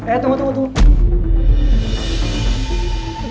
eh tunggu tunggu tunggu